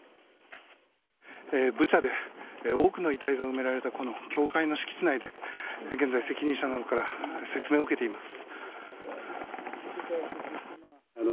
ブチャで多くの遺体が埋められたこの教会の敷地内で現在、責任者などから説明を受けています。